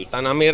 itu tanam air